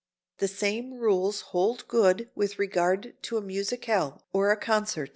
The same rules hold good with regard to a musicale or a concert.